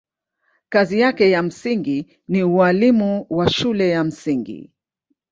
Kazi yake ya msingi ni ualimu wa shule ya msingi.